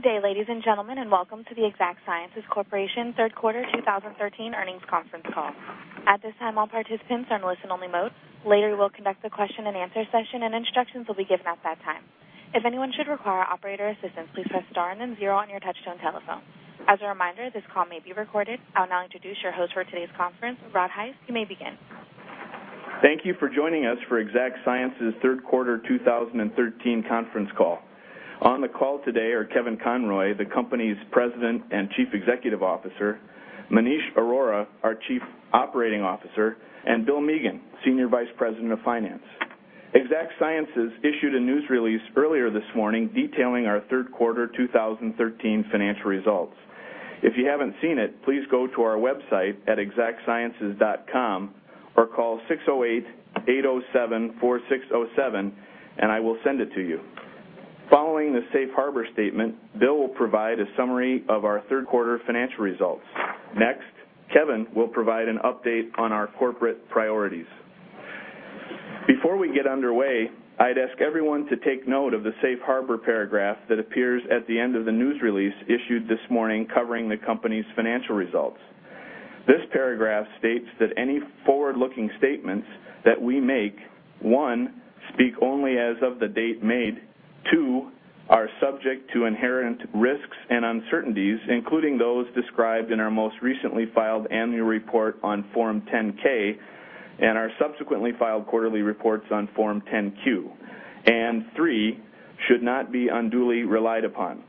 Good day, ladies and gentlemen, and welcome to the Exact Sciences Corporation third quarter 2013 earnings conference call. At this time, all participants are in listen-only mode. Later, we will conduct the question-and-answer session, and instructions will be given at that time. If anyone should require operator assistance, please press star and then zero on your touchstone telephone. As a reminder, this call may be recorded. I'll now introduce your host for today's conference, Rod Hise. You may begin. Thank you for joining us for Exact Sciences Third Quarter 2013 Conference call. On the call today are Kevin Conroy, the company's President and Chief Executive Officer; Maneesh Arora, our Chief Operating Officer; and Bill Megan, Senior Vice President of Finance. Exact Sciences issued a news release earlier this morning detailing our third quarter 2013 financial results. If you haven't seen it, please go to our website at exactsciences.com or call 608-807-4607, and I will send it to you. Following the safe harbor statement, Bill will provide a summary of our third quarter financial results. Next, Kevin will provide an update on our corporate priorities. Before we get underway, I'd ask everyone to take note of the safe harbor paragraph that appears at the end of the news release issued this morning covering the company's financial results. This paragraph states that any forward-looking statements that we make, one, speak only as of the date made, two, are subject to inherent risks and uncertainties, including those described in our most recently filed annual report on Form 10-K and our subsequently filed quarterly reports on Form 10-Q, and three, should not be unduly relied upon.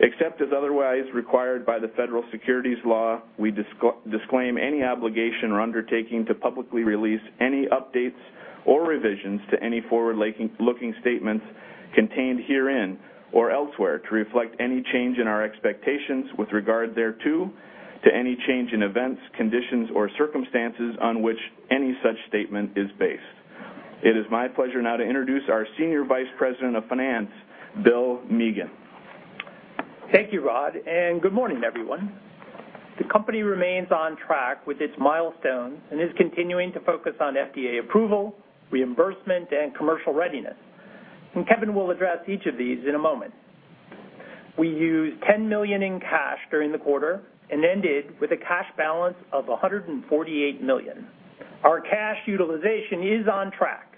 Except as otherwise required by the federal securities law, we disclaim any obligation or undertaking to publicly release any updates or revisions to any forward-looking statements contained herein or elsewhere to reflect any change in our expectations with regard thereto, to any change in events, conditions, or circumstances on which any such statement is based. It is my pleasure now to introduce our Senior Vice President of Finance, Bill Meagan. Thank you, Rod, and good morning, everyone. The company remains on track with its milestones and is continuing to focus on FDA approval, reimbursement, and commercial readiness. Kevin will address each of these in a moment. We used $10 million in cash during the quarter and ended with a cash balance of $148 million. Our cash utilization is on track.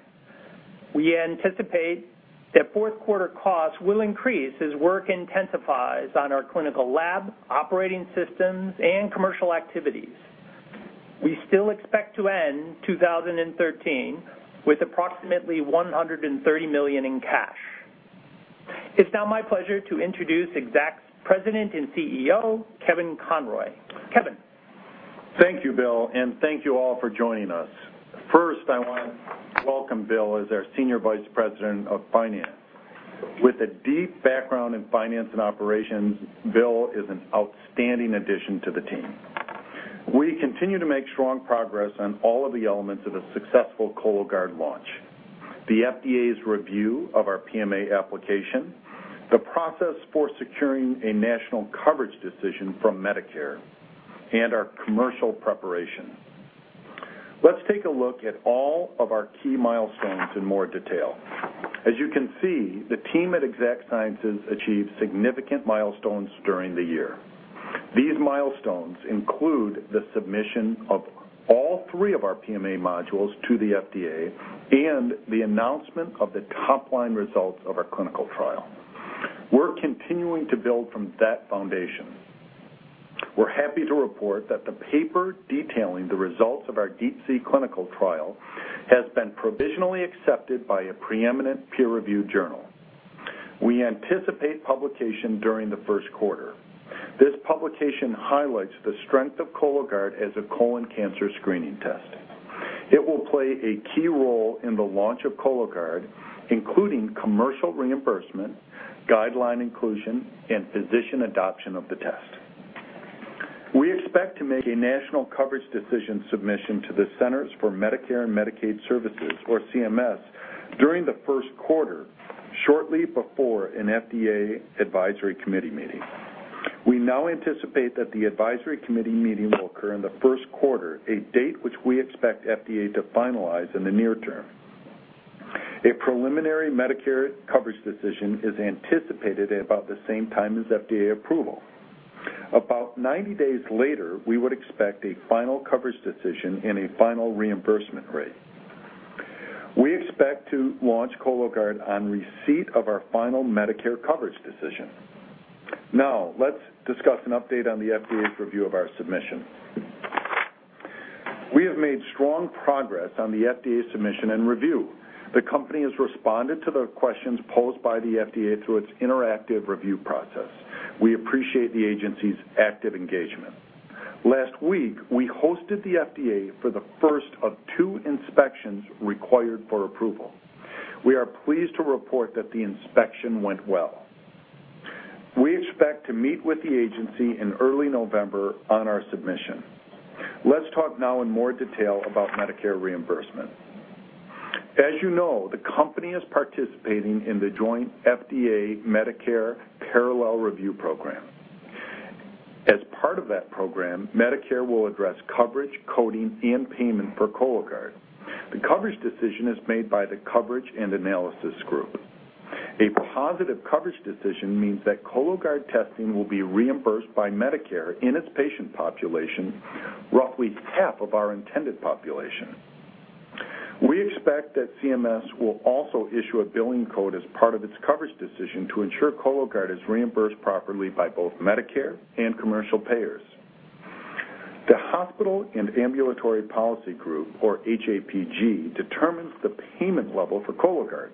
We anticipate that fourth quarter costs will increase as work intensifies on our clinical lab, operating systems, and commercial activities. We still expect to end 2013 with approximately $130 million in cash. It is now my pleasure to introduce Exact Sciences' President and CEO, Kevin Conroy. Kevin. Thank you, Bill, and thank you all for joining us. First, I want to welcome Bill as our Senior Vice President of Finance. With a deep background in finance and operations, Bill is an outstanding addition to the team. We continue to make strong progress on all of the elements of a successful Cologuard launch, the FDA's review of our PMA application, the process for securing a national coverage decision from Medicare, and our commercial preparation. Let's take a look at all of our key milestones in more detail. As you can see, the team at Exact Sciences achieved significant milestones during the year. These milestones include the submission of all three of our PMA modules to the FDA and the announcement of the top-line results of our clinical trial. We're continuing to build from that foundation. We're happy to report that the paper detailing the results of our DeeP-C clinical trial has been provisionally accepted by a preeminent peer-reviewed journal. We anticipate publication during the first quarter. This publication highlights the strength of Cologuard as a colon cancer screening test. It will play a key role in the launch of Cologuard, including commercial reimbursement, guideline inclusion, and physician adoption of the test. We expect to make a national coverage decision submission to the Centers for Medicare and Medicaid Services, or CMS, during the first quarter, shortly before an FDA advisory committee meeting. We now anticipate that the advisory committee meeting will occur in the first quarter, a date which we expect FDA to finalize in the near term. A preliminary Medicare coverage decision is anticipated at about the same time as FDA approval. About 90 days later, we would expect a final coverage decision and a final reimbursement rate. We expect to launch Cologuard on receipt of our final Medicare coverage decision. Now, let's discuss an update on the FDA's review of our submission. We have made strong progress on the FDA submission and review. The company has responded to the questions posed by the FDA through its interactive review process. We appreciate the agency's active engagement. Last week, we hosted the FDA for the first of two inspections required for approval. We are pleased to report that the inspection went well. We expect to meet with the agency in early November on our submission. Let's talk now in more detail about Medicare reimbursement. As you know, the company is participating in the joint FDA-Medicare parallel review program. As part of that program, Medicare will address coverage, coding, and payment for Cologuard. The coverage decision is made by the coverage and analysis group. A positive coverage decision means that Cologuard testing will be reimbursed by Medicare in its patient population, roughly half of our intended population. We expect that CMS will also issue a billing code as part of its coverage decision to ensure Cologuard is reimbursed properly by both Medicare and commercial payers. The hospital and ambulatory policy group, or HAPG, determines the payment level for Cologuard.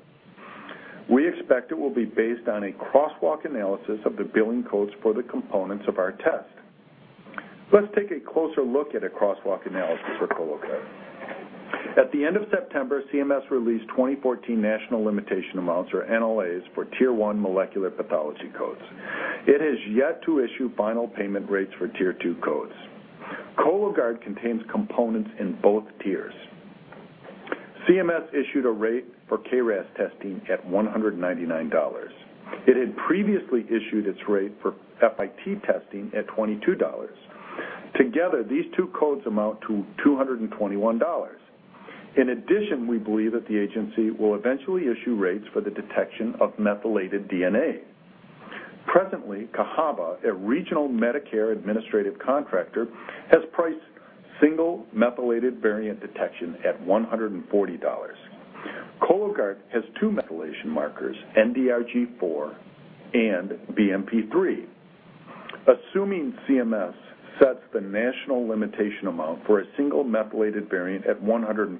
We expect it will be based on a crosswalk analysis of the billing codes for the components of our test. Let's take a closer look at a crosswalk analysis for Cologuard. At the end of September, CMS released 2014 national limitation amounts, or NLAs, for tier one molecular pathology codes. It has yet to issue final payment rates for tier two codes. Cologuard contains components in both tiers. CMS issued a rate for KRAS testing at $199. It had previously issued its rate for FIT testing at $22. Together, these two codes amount to $221. In addition, we believe that the agency will eventually issue rates for the detection of methylated DNA. Presently, Cahaba, a regional Medicare administrative contractor, has priced single methylated variant detection at $140. Cologuard has two methylation markers, NDRG4 and BMP3. Assuming CMS sets the national limitation amount for a single methylated variant at $140,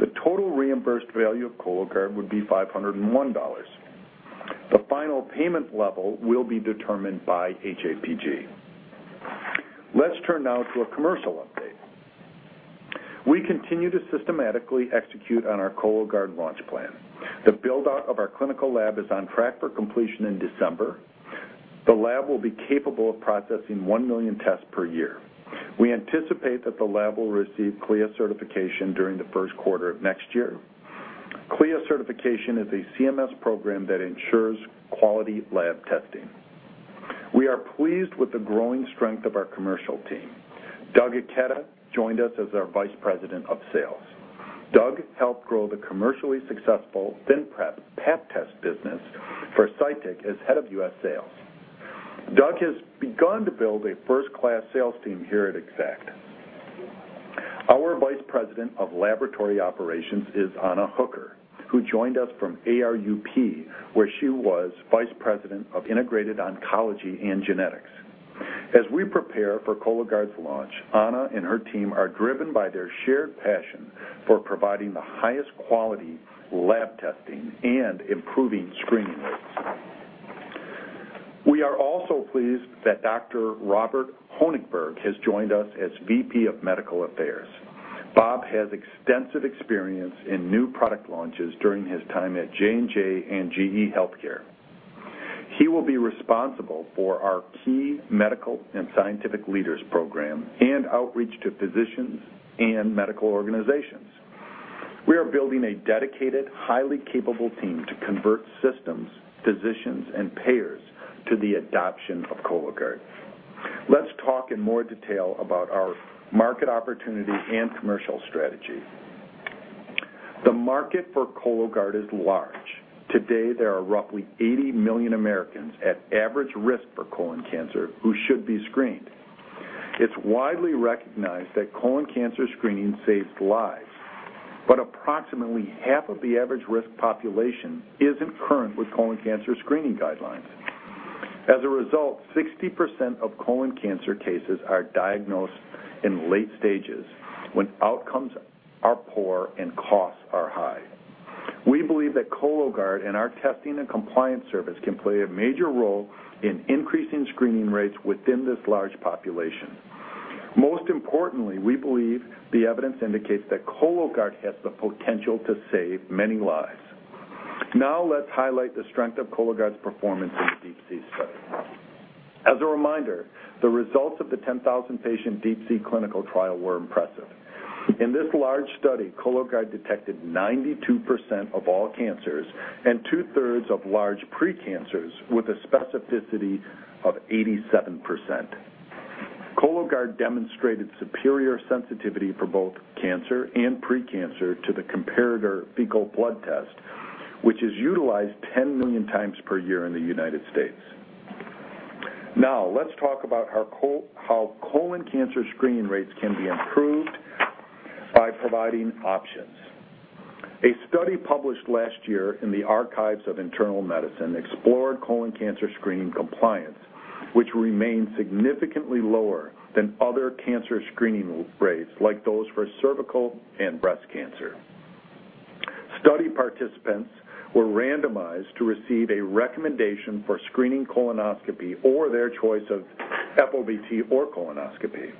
the total reimbursed value of Cologuard would be $501. The final payment level will be determined by HAPG. Let's turn now to a commercial update. We continue to systematically execute on our Cologuard launch plan. The build-out of our clinical lab is on track for completion in December. The lab will be capable of processing one million tests per year. We anticipate that the lab will receive CLIA certification during the first quarter of next year. CLIA certification is a CMS program that ensures quality lab testing. We are pleased with the growing strength of our commercial team. Doug Ikeda joined us as our Vice President of Sales. Doug helped grow the commercially successful ThinPrep Pap test business for Cytyc as Head of U.S. sales. Doug has begun to build a first-class sales team here at Exact. Our Vice President of Laboratory Operations is Ana Hooker, who joined us from ARUP, where she was Vice President of Integrated Oncology and Genetics. As we prepare for Cologuard's launch, Ana and her team are driven by their shared passion for providing the highest quality lab testing and improving screening rates. We are also pleased that Dr. Robert Honigberg has joined us as VP of Medical Affairs. Bob has extensive experience in new product launches during his time at J&J and GE Healthcare. He will be responsible for our key medical and scientific leaders program and outreach to physicians and medical organizations. We are building a dedicated, highly capable team to convert systems, physicians, and payers to the adoption of Cologuard. Let's talk in more detail about our market opportunity and commercial strategy. The market for Cologuard is large. Today, there are roughly 80 million Americans at average risk for colon cancer who should be screened. It's widely recognized that colon cancer screening saves lives, but approximately half of the average risk population isn't current with colon cancer screening guidelines. As a result, 60% of colon cancer cases are diagnosed in late stages when outcomes are poor and costs are high. We believe that Cologuard and our testing and compliance service can play a major role in increasing screening rates within this large population. Most importantly, we believe the evidence indicates that Cologuard has the potential to save many lives. Now, let's highlight the strength of Cologuard's performance in the DeeP-C study. As a reminder, the results of the 10,000-patient DeeP-C clinical trial were impressive. In this large study, Cologuard detected 92% of all cancers and two-thirds of large precancers with a specificity of 87%. Cologuard demonstrated superior sensitivity for both cancer and precancer to the comparator fecal blood test, which is utilized 10 million times per year in the United States. Now, let's talk about how colon cancer screening rates can be improved by providing options. A study published last year in the Archives of Internal Medicine explored colon cancer screening compliance, which remained significantly lower than other cancer screening rates like those for cervical and breast cancer. Study participants were randomized to receive a recommendation for screening colonoscopy or their choice of FOBT or colonoscopy.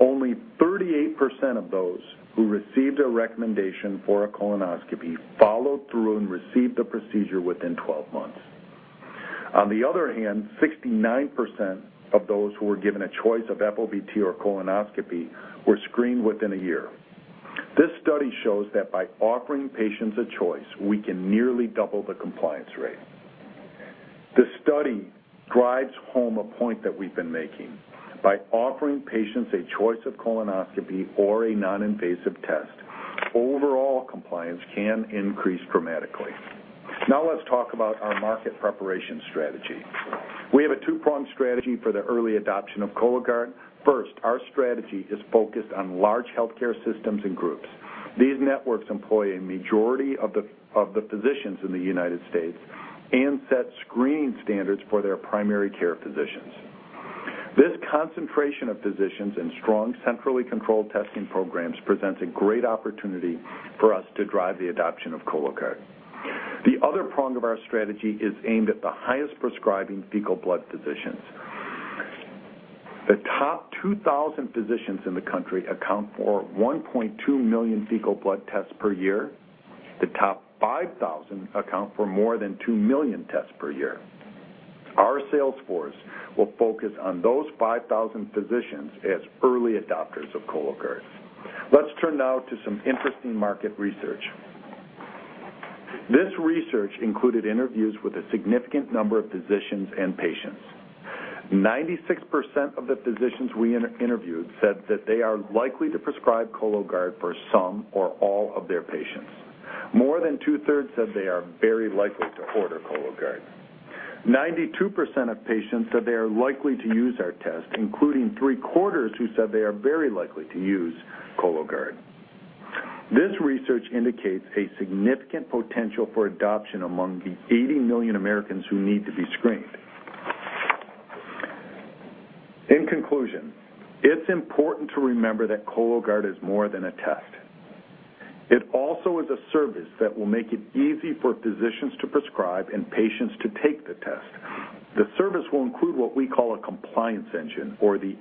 Only 38% of those who received a recommendation for a colonoscopy followed through and received the procedure within 12 months. On the other hand, 69% of those who were given a choice of FOBT or colonoscopy were screened within a year. This study shows that by offering patients a choice, we can nearly double the compliance rate. The study drives home a point that we've been making. By offering patients a choice of colonoscopy or a non-invasive test, overall compliance can increase dramatically. Now, let's talk about our market preparation strategy. We have a two-pronged strategy for the early adoption of Cologuard. First, our strategy is focused on large healthcare systems and groups. These networks employ a majority of the physicians in the United States and set screening standards for their primary care physicians. This concentration of physicians and strong centrally controlled testing programs presents a great opportunity for us to drive the adoption of Cologuard. The other prong of our strategy is aimed at the highest prescribing fecal blood physicians. The top 2,000 physicians in the country account for 1.2 million fecal blood tests per year. The top 5,000 account for more than 2 million tests per year. Our sales force will focus on those 5,000 physicians as early adopters of Cologuard. Let's turn now to some interesting market research. This research included interviews with a significant number of physicians and patients. 96% of the physicians we interviewed said that they are likely to prescribe Cologuard for some or all of their patients. More than two-thirds said they are very likely to order Cologuard. 92% of patients said they are likely to use our test, including three-quarters who said they are very likely to use Cologuard. This research indicates a significant potential for adoption among the 80 million Americans who need to be screened. In conclusion, it's important to remember that Cologuard is more than a test. It also is a service that will make it easy for physicians to prescribe and patients to take the test. The service will include what we call a Compliance Engine, or the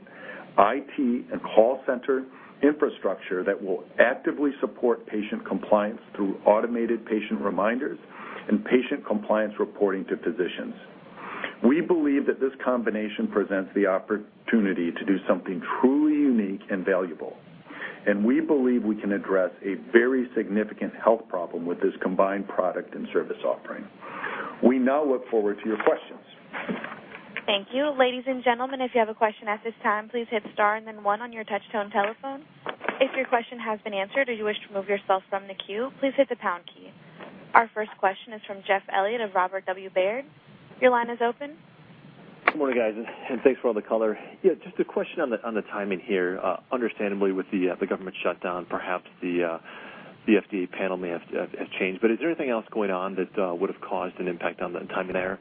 IT and call center infrastructure that will actively support patient compliance through automated patient reminders and patient compliance reporting to physicians. We believe that this combination presents the opportunity to do something truly unique and valuable, and we believe we can address a very significant health problem with this combined product and service offering. We now look forward to your questions. Thank you. Ladies and gentlemen, if you have a question at this time, please hit star and then one on your touch-tone telephone. If your question has been answered or you wish to move yourself from the queue, please hit the pound key. Our first question is from Jeff Elliott of Robert W. Baird. Your line is open. Good morning, guys, and thanks for all the color. Yeah, just a question on the timing here. Understandably, with the government shutdown, perhaps the FDA panel may have changed, but is there anything else going on that would have caused an impact on the timing there?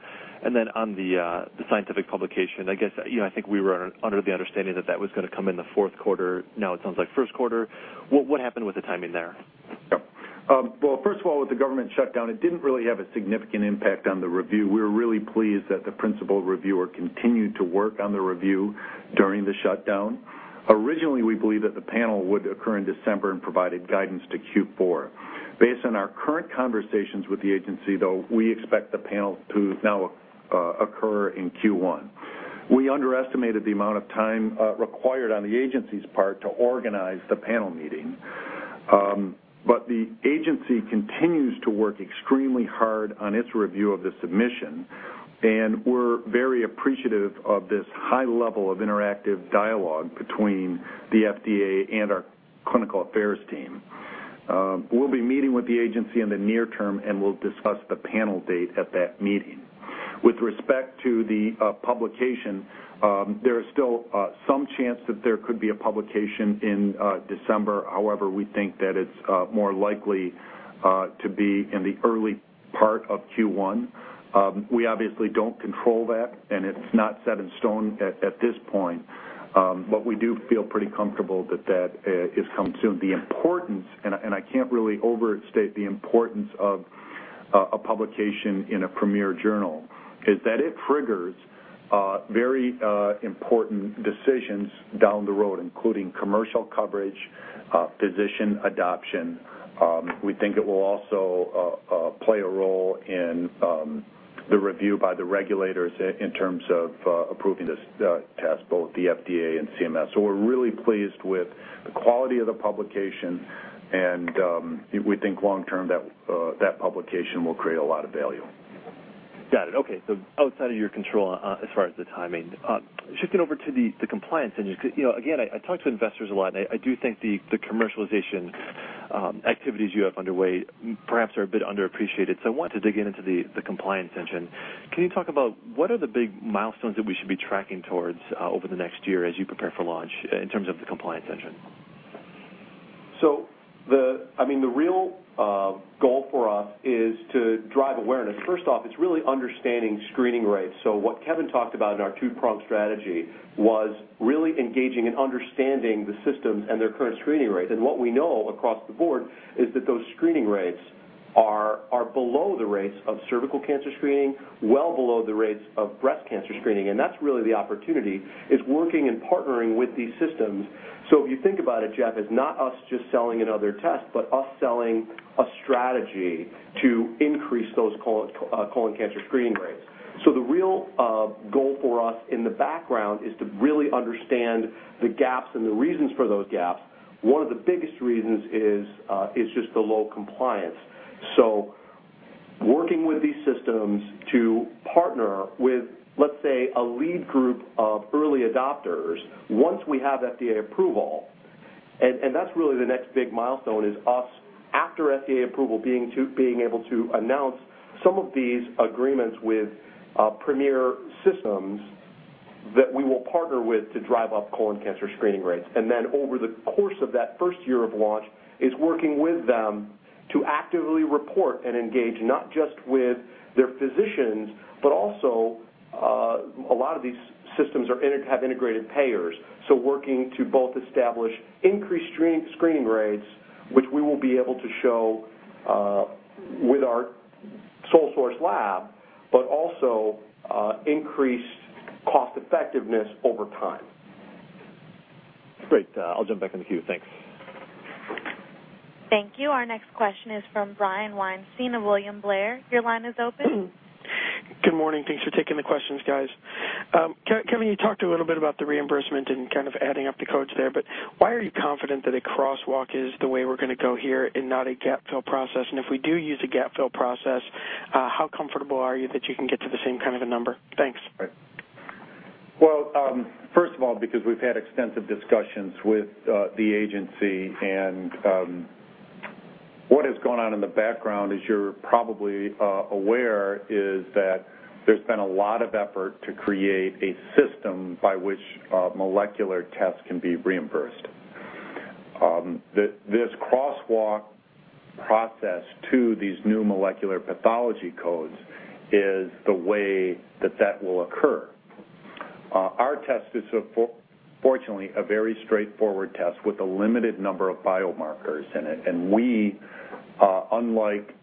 On the scientific publication, I guess I think we were under the understanding that that was going to come in the fourth quarter. Now, it sounds like first quarter. What happened with the timing there? Yep. First of all, with the government shutdown, it did not really have a significant impact on the review. We were really pleased that the principal reviewer continued to work on the review during the shutdown. Originally, we believed that the panel would occur in December and provided guidance to Q4. Based on our current conversations with the agency, though, we expect the panel to now occur in Q1. We underestimated the amount of time required on the agency's part to organize the panel meeting, but the agency continues to work extremely hard on its review of the submission, and we're very appreciative of this high level of interactive dialogue between the FDA and our clinical affairs team. We'll be meeting with the agency in the near term, and we'll discuss the panel date at that meeting. With respect to the publication, there is still some chance that there could be a publication in December. However, we think that it's more likely to be in the early part of Q1. We obviously don't control that, and it's not set in stone at this point, but we do feel pretty comfortable that that is coming soon. The importance, and I can't really overstate the importance of a publication in a premier journal, is that it triggers very important decisions down the road, including commercial coverage, physician adoption. We think it will also play a role in the review by the regulators in terms of approving this test, both the FDA and CMS. We are really pleased with the quality of the publication, and we think long-term that publication will create a lot of value. Got it. Okay. Outside of your control as far as the timing, shifting over to the compliance engine, because again, I talk to investors a lot, and I do think the commercialization activities you have underway perhaps are a bit underappreciated. I want to dig in into the compliance engine. Can you talk about what are the big milestones that we should be tracking towards over the next year as you prepare for launch in terms of the compliance engine? I mean, the real goal for us is to drive awareness. First off, it is really understanding screening rates. What Kevin talked about in our two-pronged strategy was really engaging and understanding the systems and their current screening rates. What we know across the board is that those screening rates are below the rates of cervical cancer screening, well below the rates of breast cancer screening. That is really the opportunity, working and partnering with these systems. If you think about it, Jeff, it is not us just selling another test, but us selling a strategy to increase those colon cancer screening rates. The real goal for us in the background is to really understand the gaps and the reasons for those gaps. One of the biggest reasons is just the low compliance. Working with these systems to partner with, let's say, a lead group of early adopters once we have FDA approval. That is really the next big milestone, us, after FDA approval, being able to announce some of these agreements with premier systems that we will partner with to drive up colon cancer screening rates. Over the course of that first year of launch, it is working with them to actively report and engage not just with their physicians, but also a lot of these systems have integrated payers. Working to both establish increased screening rates, which we will be able to show with our sole-source lab, but also increased cost-effectiveness over time. Great. I'll jump back in the queue. Thanks. Thank you. Our next question is from Brian Weinstein of William Blair. Your line is open. Good morning. Thanks for taking the questions, guys. Kevin, you talked a little bit about the reimbursement and kind of adding up the codes there, but why are you confident that a crosswalk is the way we're going to go here and not a gap-fill process? If we do use a gap-fill process, how comfortable are you that you can get to the same kind of a number? Thanks. First of all, because we've had extensive discussions with the agency, and what has gone on in the background, as you're probably aware, is that there's been a lot of effort to create a system by which molecular tests can be reimbursed. This crosswalk process to these new molecular pathology codes is the way that will occur. Our test is, fortunately, a very straightforward test with a limited number of biomarkers in it. We, unlike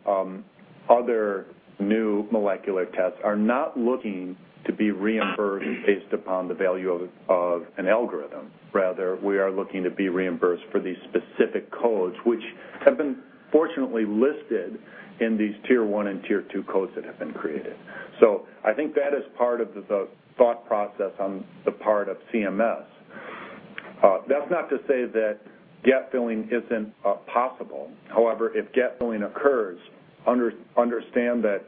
other new molecular tests, are not looking to be reimbursed based upon the value of an algorithm. Rather, we are looking to be reimbursed for these specific codes, which have been, fortunately, listed in these tier-one and tier-two codes that have been created. I think that is part of the thought process on the part of CMS. That's not to say that gap-filling isn't possible. However, if gap-filling occurs, understand that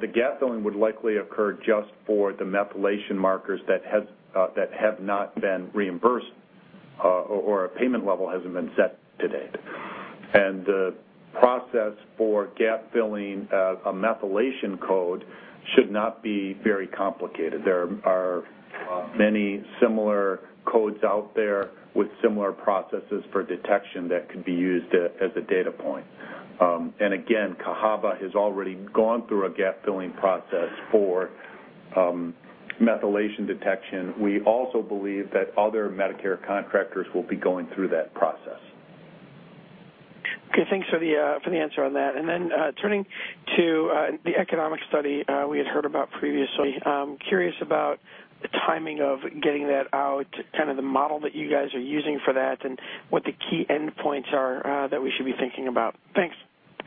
the gap-filling would likely occur just for the methylation markers that have not been reimbursed or a payment level hasn't been set to date. The process for gap-filling a methylation code should not be very complicated. There are many similar codes out there with similar processes for detection that could be used as a data point. Again, Cahaba has already gone through a gap-filling process for methylation detection. We also believe that other Medicare contractors will be going through that process. Okay. Thanks for the answer on that. Turning to the economic study we had heard about previously, I'm curious about the timing of getting that out, kind of the model that you guys are using for that, and what the key endpoints are that we should be thinking about. Thanks.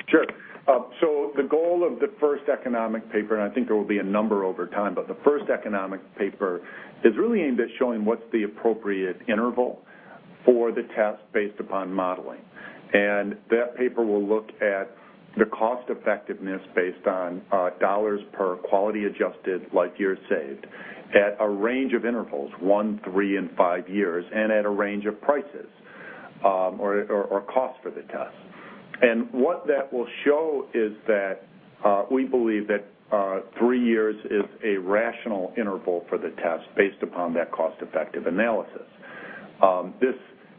Sure. The goal of the first economic paper, and I think there will be a number over time, but the first economic paper is really aimed at showing what is the appropriate interval for the test based upon modeling. That paper will look at the cost-effectiveness based on dollars per quality-adjusted life years saved at a range of intervals, one, three, and five years, and at a range of prices or cost for the test. What that will show is that we believe that three years is a rational interval for the test based upon that cost-effective analysis.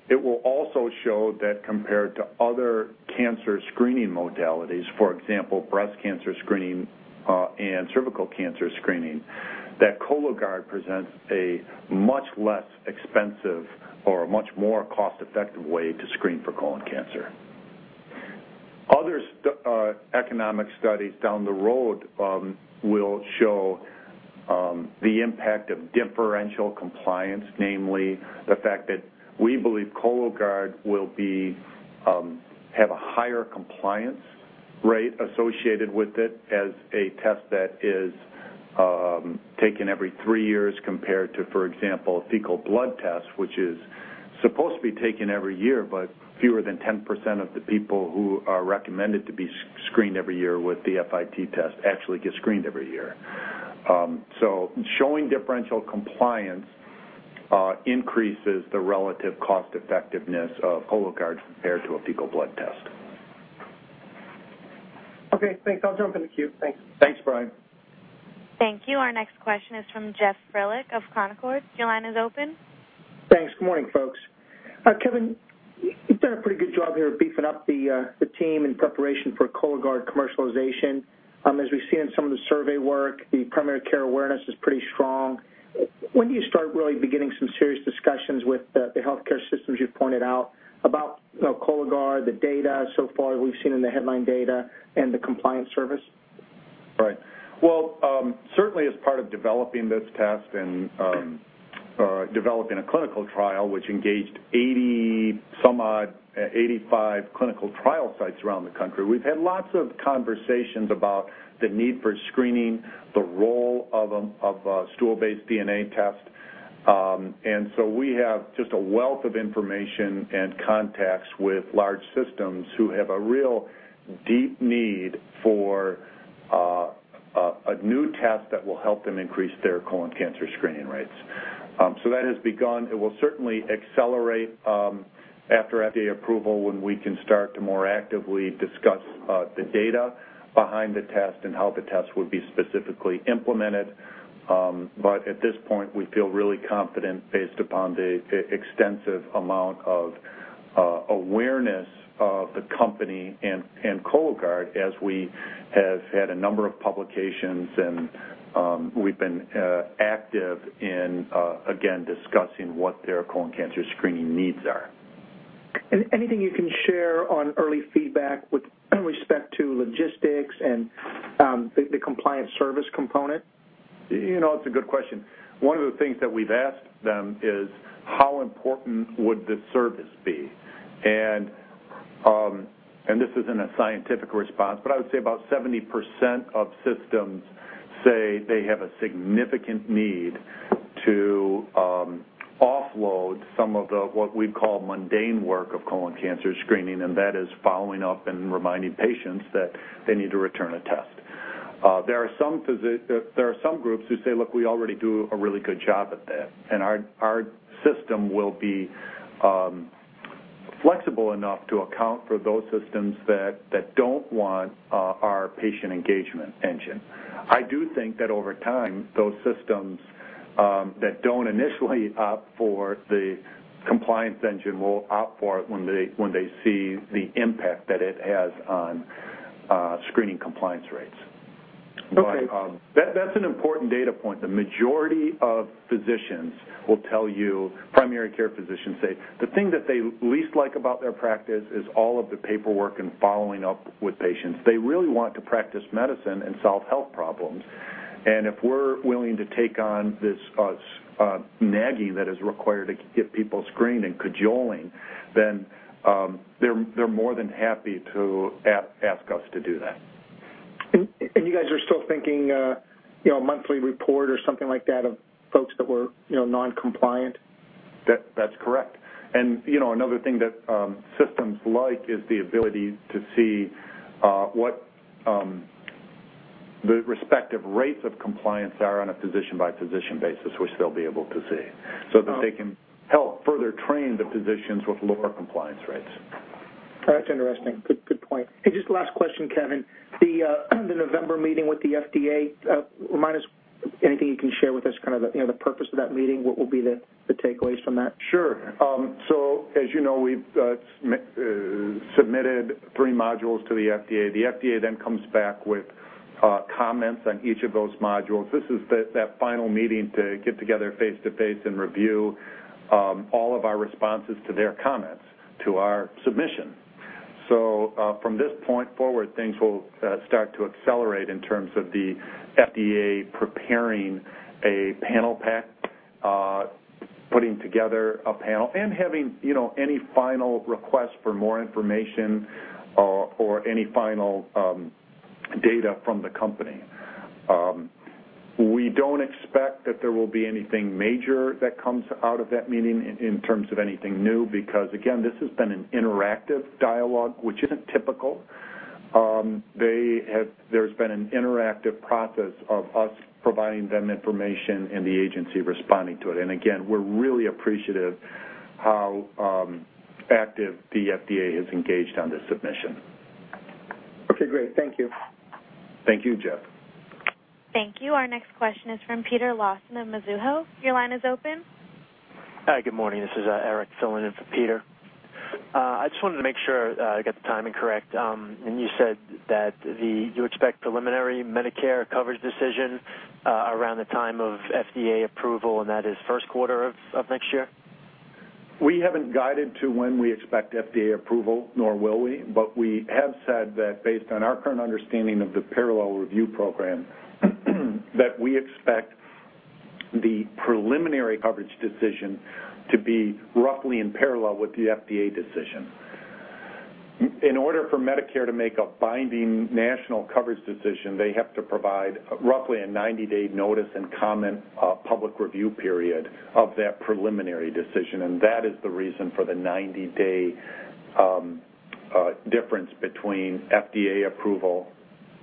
It will also show that compared to other cancer screening modalities, for example, breast cancer screening and cervical cancer screening, Cologuard presents a much less expensive or a much more cost-effective way to screen for colon cancer. Other economic studies down the road will show the impact of differential compliance, namely the fact that we believe Cologuard will have a higher compliance rate associated with it as a test that is taken every three years compared to, for example, fecal blood test, which is supposed to be taken every year, but fewer than 10% of the people who are recommended to be screened every year with the FIT test actually get screened every year. Showing differential compliance increases the relative cost-effectiveness of Cologuard compared to a fecal blood test. Okay. Thanks. I'll jump in the queue. Thanks. Thanks, Brian. Thank you. Our next question is from Jeff Frillick of Concord. Your line is open. Thanks. Good morning, folks. Kevin, you've done a pretty good job here beefing up the team in preparation for Cologuard commercialization. As we've seen in some of the survey work, the primary care awareness is pretty strong. When do you start really beginning some serious discussions with the healthcare systems you've pointed out about Cologuard, the data so far we've seen in the headline data, and the compliance service? Right. Certainly as part of developing this test and developing a clinical trial, which engaged 80-some-odd, 85 clinical trial sites around the country, we've had lots of conversations about the need for screening, the role of a stool-based DNA test. We have just a wealth of information and contacts with large systems who have a real deep need for a new test that will help them increase their colon cancer screening rates. That has begun. It will certainly accelerate after FDA approval when we can start to more actively discuss the data behind the test and how the test would be specifically implemented. At this point, we feel really confident based upon the extensive amount of awareness of the company and Cologuard as we have had a number of publications, and we've been active in, again, discussing what their colon cancer screening needs are. Anything you can share on early feedback with respect to logistics and the compliance service component? It's a good question. One of the things that we've asked them is, "How important would this service be?" This isn't a scientific response, but I would say about 70% of systems say they have a significant need to offload some of what we call mundane work of colon cancer screening, and that is following up and reminding patients that they need to return a test. There are some groups who say, "Look, we already do a really good job at that, and our system will be flexible enough to account for those systems that don't want our patient engagement engine." I do think that over time, those systems that don't initially opt for the compliance engine will opt for it when they see the impact that it has on screening compliance rates. That's an important data point. The majority of physicians will tell you, primary care physicians say, "The thing that they least like about their practice is all of the paperwork and following up with patients. They really want to practice medicine and solve health problems." If we're willing to take on this nagging that is required to get people screened and cajoling, then they're more than happy to ask us to do that. You guys are still thinking a monthly report or something like that of folks that were non-compliant? That's correct. Another thing that systems like is the ability to see what the respective rates of compliance are on a physician-by-physician basis, which they'll be able to see so that they can help further train the physicians with lower compliance rates. That's interesting. Good point. Just last question, Kevin, the November meeting with the FDA, remind us anything you can share with us, kind of the purpose of that meeting, what will be the takeaways from that? Sure. As you know, we've submitted three modules to the FDA. The FDA then comes back with comments on each of those modules. This is that final meeting to get together face-to-face and review all of our responses to their comments to our submission. From this point forward, things will start to accelerate in terms of the FDA preparing a panel pack, putting together a panel, and having any final requests for more information or any final data from the company. We don't expect that there will be anything major that comes out of that meeting in terms of anything new because, again, this has been an interactive dialogue, which isn't typical. There's been an interactive process of us providing them information and the agency responding to it. We're really appreciative of how active the FDA has engaged on this submission. Okay. Great. Thank you. Thank you, Jeff. Thank you. Our next question is from Peter Lawson of Mizuho. Your line is open. Hi. Good morning. This is Eric filling in for Peter. I just wanted to make sure I got the timing correct. You said that you expect preliminary Medicare coverage decision around the time of FDA approval, and that is first quarter of next year? We haven't guided to when we expect FDA approval, nor will we. We have said that based on our current understanding of the parallel review program, we expect the preliminary coverage decision to be roughly in parallel with the FDA decision. In order for Medicare to make a binding national coverage decision, they have to provide roughly a 90-day notice and comment public review period of that preliminary decision. That is the reason for the 90-day difference between FDA approval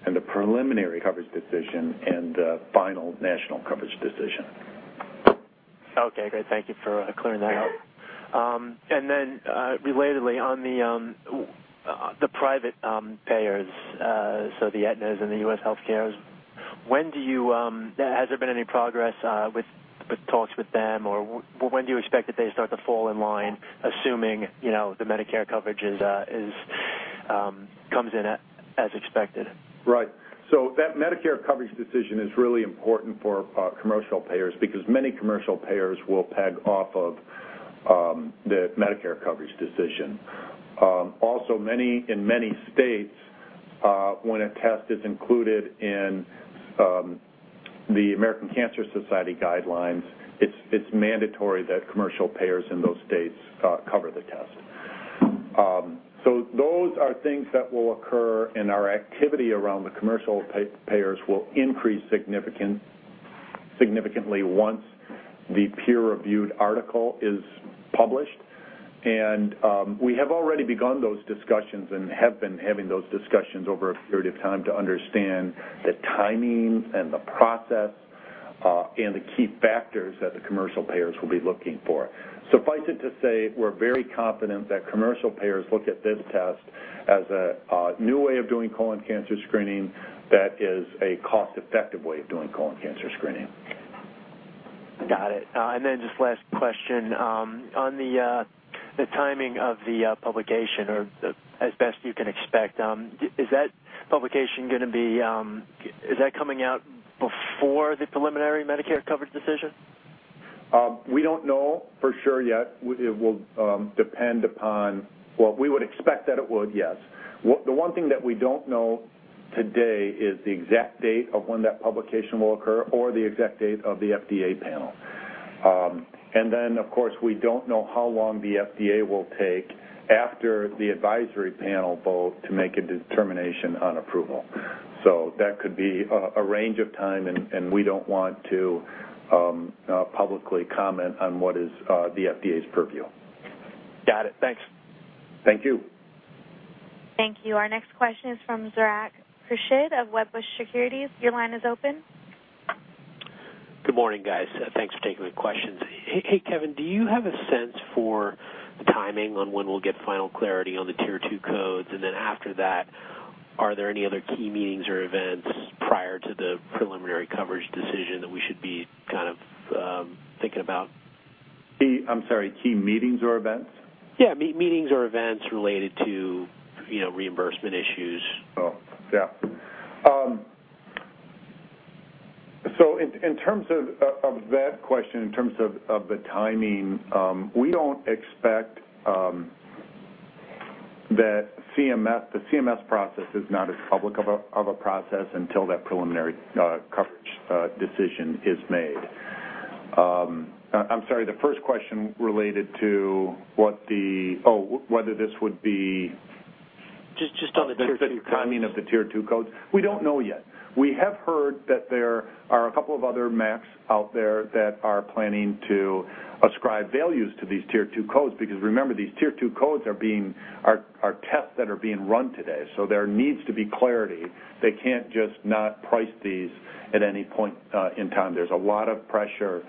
and the preliminary coverage decision and the final national coverage decision. Okay. Great. Thank you for clearing that up. Then relatedly, on the private payers, so the Aetna's and the U.S. Healthcare's, when do you, has there been any progress with talks with them, or when do you expect that they start to fall in line, assuming the Medicare coverage comes in as expected? Right. That Medicare coverage decision is really important for commercial payers because many commercial payers will peg off of the Medicare coverage decision. Also, in many states, when a test is included in the American Cancer Society guidelines, it's mandatory that commercial payers in those states cover the test. Those are things that will occur, and our activity around the commercial payers will increase significantly once the peer-reviewed article is published. We have already begun those discussions and have been having those discussions over a period of time to understand the timing and the process and the key factors that the commercial payers will be looking for. Suffice it to say, we're very confident that commercial payers look at this test as a new way of doing colon cancer screening that is a cost-effective way of doing colon cancer screening. Got it. Just last question. On the timing of the publication or as best you can expect, is that publication going to be, is that coming out before the preliminary Medicare coverage decision? We don't know for sure yet. It will depend upon what we would expect that it would, yes. The one thing that we don't know today is the exact date of when that publication will occur or the exact date of the FDA panel. Of course, we don't know how long the FDA will take after the advisory panel vote to make a determination on approval. That could be a range of time, and we don't want to publicly comment on what is the FDA's purview. Got it. Thanks. Thank you. Thank you. Our next question is from Zarak Khurshid of Wedbush Securities. Your line is open. Good morning, guys. Thanks for taking the questions. Hey, Kevin, do you have a sense for timing on when we'll get final clarity on the tier two codes? And then after that, are there any other key meetings or events prior to the preliminary coverage decision that we should be kind of thinking about? I'm sorry. Key meetings or events? Yeah. Meetings or events related to reimbursement issues. Oh, yeah. In terms of that question, in terms of the timing, we don't expect that the CMS process is not as public of a process until that preliminary coverage decision is made. I'm sorry. The first question related to what the oh, whether this would be just on the tier two codes. Just on the timing of the tier two codes? We don't know yet. We have heard that there are a couple of other MACs out there that are planning to ascribe values to these tier two codes because, remember, these tier two codes are tests that are being run today. There needs to be clarity. They can't just not price these at any point in time. There's a lot of pressure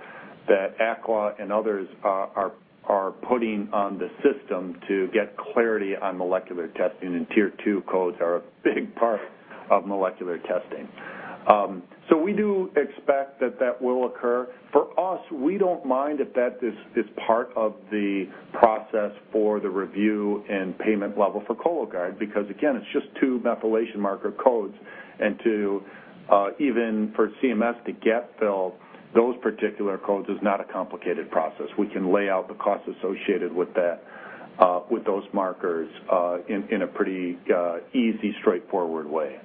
that ACLA and others are putting on the system to get clarity on molecular testing, and tier two codes are a big part of molecular testing. We do expect that that will occur. For us, we don't mind if that is part of the process for the review and payment level for Cologuard because, again, it's just two methylation marker codes. Even for CMS to get filled, those particular codes is not a complicated process. We can lay out the cost associated with those markers in a pretty easy, straightforward way.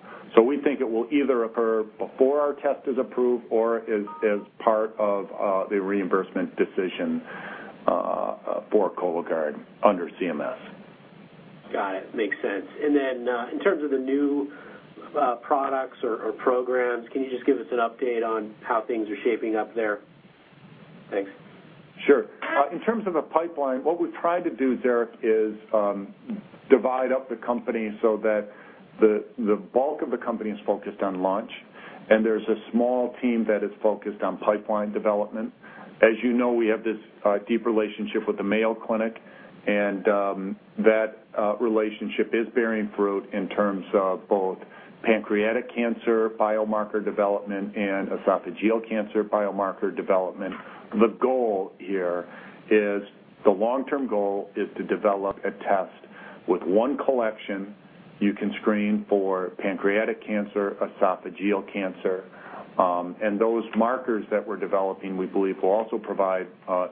We think it will either occur before our test is approved or as part of the reimbursement decision for Cologuard under CMS. Got it. Makes sense. In terms of the new products or programs, can you just give us an update on how things are shaping up there? Thanks. Sure. In terms of the pipeline, what we've tried to do, Zarak, is divide up the company so that the bulk of the company is focused on launch, and there's a small team that is focused on pipeline development. As you know, we have this deep relationship with the Mayo Clinic, and that relationship is bearing fruit in terms of both pancreatic cancer biomarker development and esophageal cancer biomarker development. The goal here is the long-term goal is to develop a test with one collection you can screen for pancreatic cancer, esophageal cancer. And those markers that we're developing, we believe, will also provide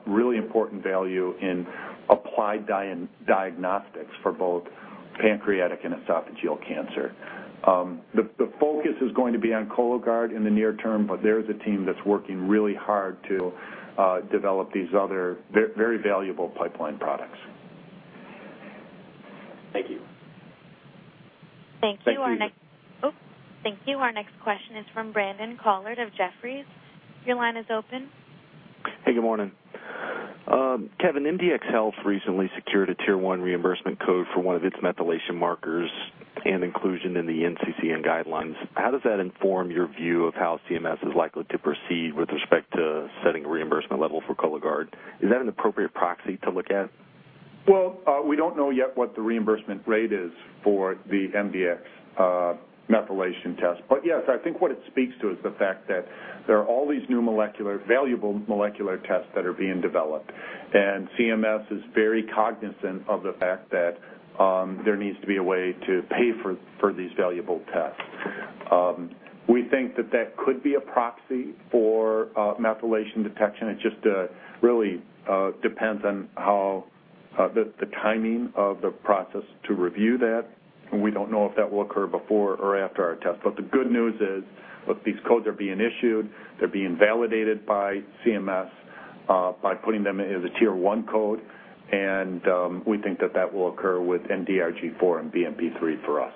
really important value in applied diagnostics for both pancreatic and esophageal cancer. The focus is going to be on Cologuard in the near term, but there is a team that's working really hard to develop these other very valuable pipeline products. Thank you. Thank you. Our next question is from Brandon Couillard of Jefferies. Your line is open. Hey, good morning. Kevin, MDxHealth recently secured a tier one reimbursement code for one of its methylation markers and inclusion in the NCCN guidelines. How does that inform your view of how CMS is likely to proceed with respect to setting a reimbursement level for Cologuard? Is that an appropriate proxy to look at? We do not know yet what the reimbursement rate is for the MDxHealth methylation test. Yes, I think what it speaks to is the fact that there are all these new valuable molecular tests that are being developed, and CMS is very cognizant of the fact that there needs to be a way to pay for these valuable tests. We think that that could be a proxy for methylation detection. It just really depends on the timing of the process to review that. We do not know if that will occur before or after our test. The good news is, look, these codes are being issued. They are being validated by CMS by putting them as a tier one code. We think that that will occur with NDRG4 and BMP3 for us.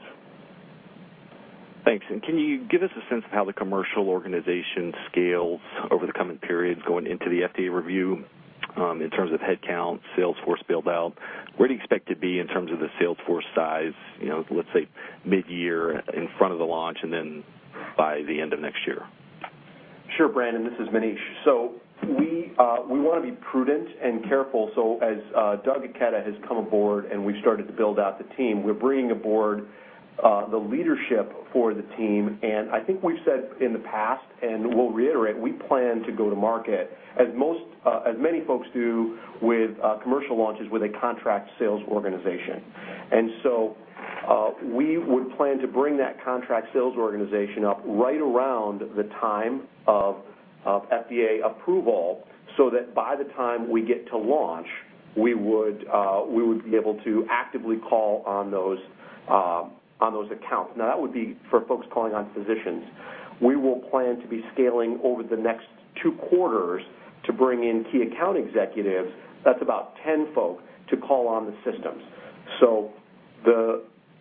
Thanks. Can you give us a sense of how the commercial organization scales over the coming periods going into the FDA review in terms of headcount, Salesforce build-out? Where do you expect to be in terms of the Salesforce size, let's say, mid-year in front of the launch and then by the end of next year? Sure, Brandon. This is Maneesh. We want to be prudent and careful. As Doug Ikeda has come aboard and we've started to build out the team, we're bringing aboard the leadership for the team. I think we've said in the past, and we'll reiterate, we plan to go to market, as many folks do with commercial launches, with a contract sales organization. We would plan to bring that contract sales organization up right around the time of FDA approval so that by the time we get to launch, we would be able to actively call on those accounts. That would be for folks calling on physicians. We will plan to be scaling over the next two quarters to bring in key account executives. That is about 10 folk to call on the systems.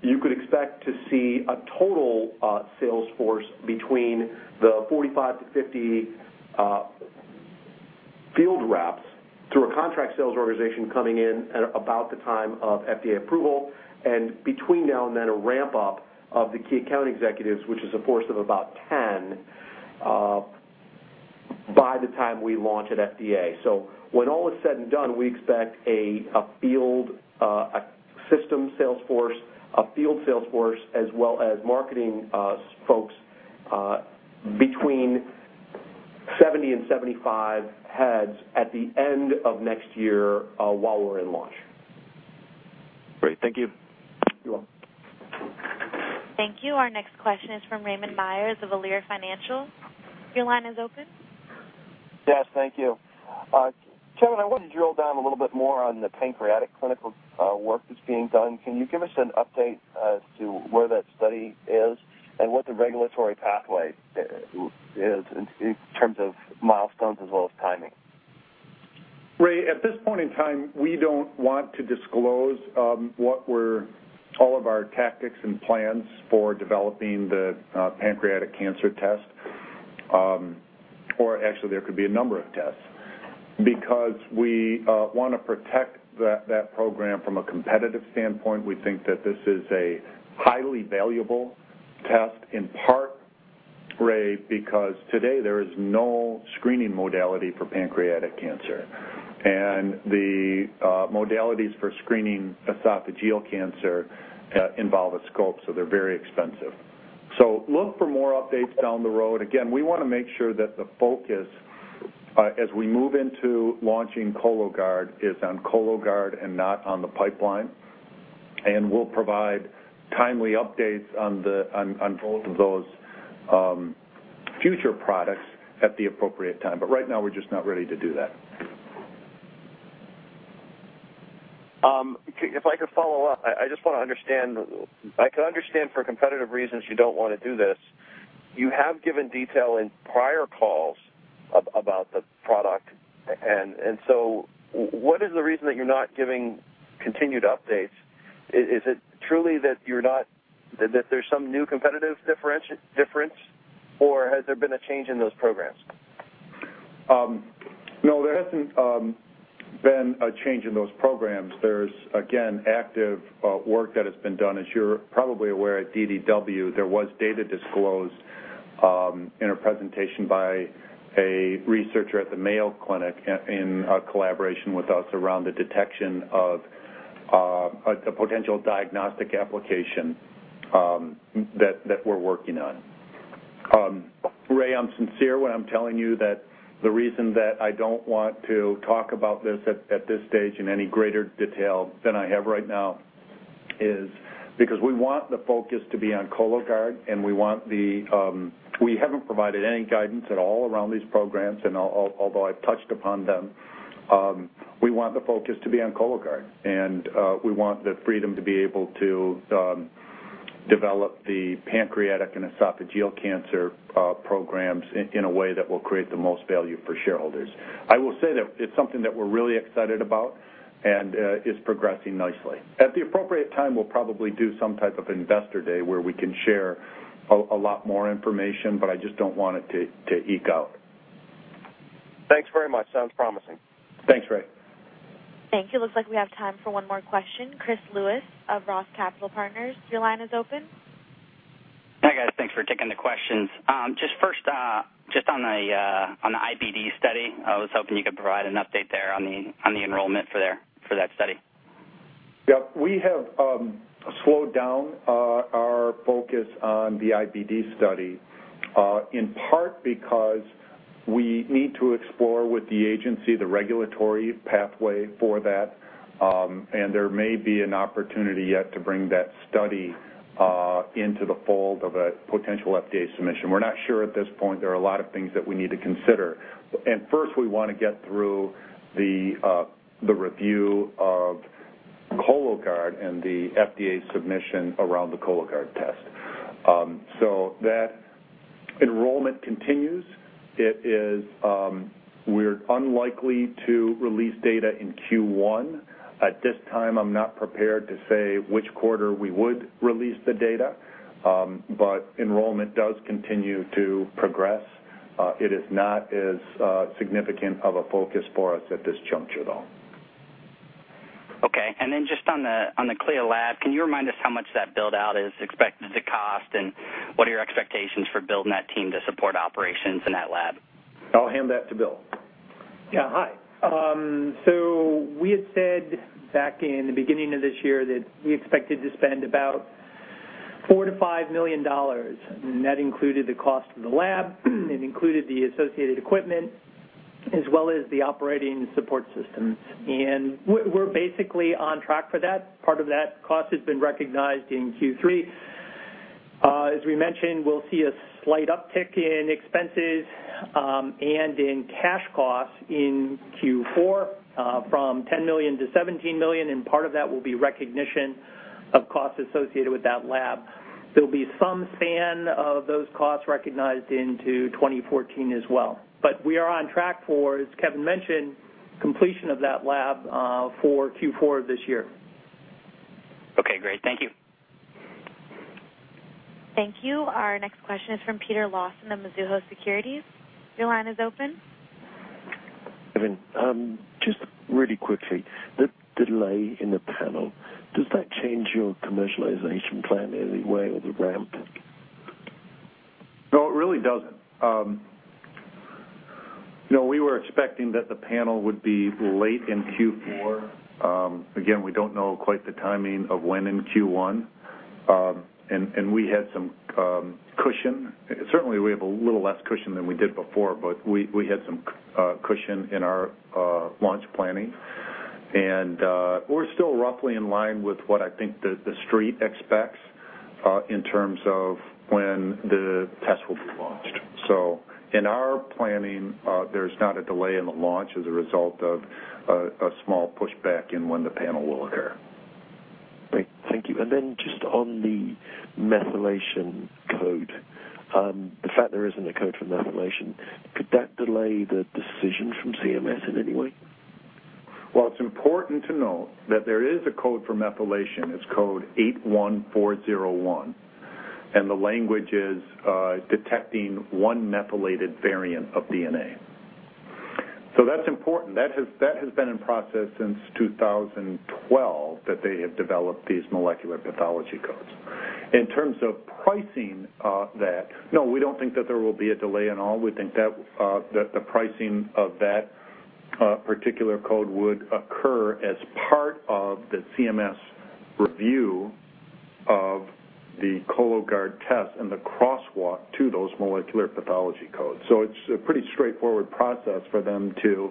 You could expect to see a total Salesforce between the 45-50 field reps through a contract sales organization coming in at about the time of FDA approval and between now and then a ramp-up of the key account executives, which is a force of about 10 by the time we launch at FDA. When all is said and done, we expect a system Salesforce, a field Salesforce, as well as marketing folks between 70-75 heads at the end of next year while we're in launch. Great. Thank you. You're welcome. Thank you. Our next question is from Raymond Myers of Leerink Financial. Your line is open. Yes. Thank you. Kevin, I wanted to drill down a little bit more on the pancreatic clinical work that's being done. Can you give us an update as to where that study is and what the regulatory pathway is in terms of milestones as well as timing? Ray, at this point in time, we don't want to disclose what all of our tactics and plans for developing the pancreatic cancer test. Or actually, there could be a number of tests because we want to protect that program from a competitive standpoint. We think that this is a highly valuable test in part, Ray, because today there is no screening modality for pancreatic cancer. The modalities for screening esophageal cancer involve a scope, so they are very expensive. Look for more updates down the road. Again, we want to make sure that the focus as we move into launching Cologuard is on Cologuard and not on the pipeline. We will provide timely updates on both of those future products at the appropriate time. Right now, we are just not ready to do that. If I could follow up, I just want to understand. I can understand for competitive reasons you do not want to do this. You have given detail in prior calls about the product. What is the reason that you are not giving continued updates? Is it truly that there's some new competitive difference, or has there been a change in those programs? No, there hasn't been a change in those programs. There's, again, active work that has been done. As you're probably aware at DDW, there was data disclosed in a presentation by a researcher at the Mayo Clinic in collaboration with us around the detection of a potential diagnostic application that we're working on. Ray, I'm sincere when I'm telling you that the reason that I don't want to talk about this at this stage in any greater detail than I have right now is because we want the focus to be on Cologuard, and we want the we haven't provided any guidance at all around these programs. Although I've touched upon them, we want the focus to be on Cologuard. We want the freedom to be able to develop the pancreatic and esophageal cancer programs in a way that will create the most value for shareholders. I will say that it's something that we're really excited about and is progressing nicely. At the appropriate time, we'll probably do some type of investor day where we can share a lot more information, but I just don't want it to eke out. Thanks very much. Sounds promising. Thanks, Ray. Thank you. Looks like we have time for one more question Chris Lewis of Roth Capital Partners.. Your line is open. Hi, guys. Thanks for taking the questions. Just first, just on the IBD study, I was hoping you could provide an update there on the enrollment for that study. Yep. We have slowed down our focus on the IBD study in part because we need to explore with the agency the regulatory pathway for that. There may be an opportunity yet to bring that study into the fold of a potential FDA submission. We're not sure at this point. There are a lot of things that we need to consider. First, we want to get through the review of Cologuard and the FDA submission around the Cologuard test. That enrollment continues. We're unlikely to release data in Q1. At this time, I'm not prepared to say which quarter we would release the data. Enrollment does continue to progress. It is not as significant of a focus for us at this juncture, though. Okay. And then just on the CLIA lab, can you remind us how much that build-out is expected to cost, and what are your expectations for building that team to support operations in that lab? I'll hand that to Bill. Yeah. Hi. So we had said back in the beginning of this year that we expected to spend about $4 million-$5 million. And that included the cost of the lab. It included the associated equipment as well as the operating support systems. And we're basically on track for that. Part of that cost has been recognized in Q3. As we mentioned, we'll see a slight uptick in expenses and in cash costs in Q4 from $10 million-$17 million. And part of that will be recognition of costs associated with that lab. There'll be some span of those costs recognized into 2014 as well. We are on track for, as Kevin mentioned, completion of that lab for Q4 of this year. Okay. Great. Thank you. Thank you. Our next question is from Peter Lawson of Mizuho Securities. Your line is open. Kevin, just really quickly, the delay in the panel, does that change your commercialization plan in any way or the ramp? No, it really does not. We were expecting that the panel would be late in Q4. Again, we do not know quite the timing of when in Q1. We had some cushion. Certainly, we have a little less cushion than we did before, but we had some cushion in our launch planning. We are still roughly in line with what I think the street expects in terms of when the test will be launched. In our planning, there's not a delay in the launch as a result of a small pushback in when the panel will occur. Great. Thank you. And then just on the methylation code, the fact there isn't a code for methylation, could that delay the decision from CMS in any way? It's important to note that there is a code for methylation. It's code 81401. The language is detecting one methylated variant of DNA. That's important. That has been in process since 2012 that they have developed these molecular pathology codes. In terms of pricing that, no, we don't think that there will be a delay at all. We think that the pricing of that particular code would occur as part of the CMS review of the Cologuard test and the crosswalk to those molecular pathology codes. It is a pretty straightforward process for them to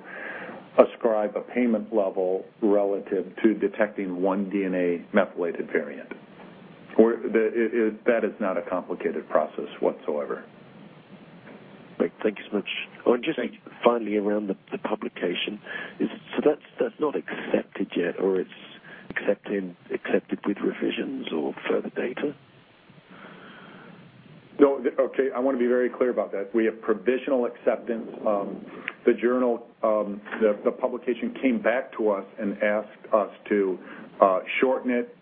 ascribe a payment level relative to detecting one DNA methylated variant. That is not a complicated process whatsoever. Great. Thank you so much. Just finally, around the publication, that is not accepted yet, or it is accepted with revisions or further data? No. Okay. I want to be very clear about that. We have provisional acceptance. The publication came back to us and asked us to shorten it,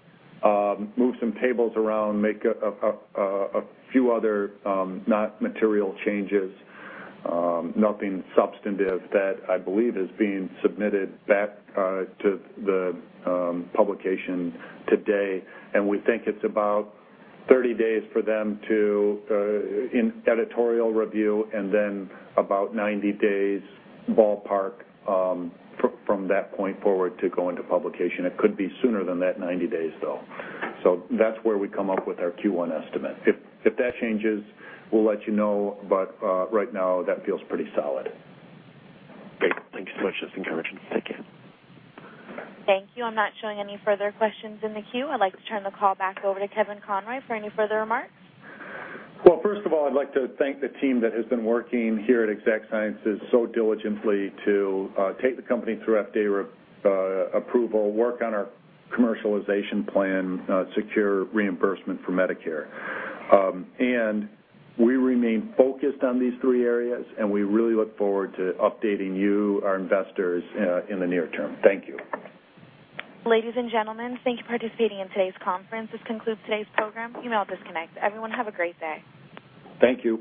move some tables around, make a few other not material changes, nothing substantive that I believe is being submitted back to the publication today. We think it is about 30 days for them in editorial review and then about 90 days ballpark from that point forward to go into publication. It could be sooner than that 90 days, though. That is where we come up with our Q1 estimate. If that changes, we'll let you know. Right now, that feels pretty solid. Great. Thank you so much for this encouragement. Take care. Thank you. I'm not showing any further questions in the queue. I'd like to turn the call back over to Kevin Conroy for any further remarks. First of all, I'd like to thank the team that has been working here at Exact Sciences so diligently to take the company through FDA approval, work on our commercialization plan, secure reimbursement for Medicare. We remain focused on these three areas, and we really look forward to updating you, our investors, in the near term. Thank you. Ladies and gentlemen, thank you for participating in today's conference. This concludes today's program. Email disconnect. Everyone, have a great day. Thank you.